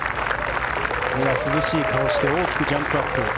涼しい顔して大きくジャンプアップ。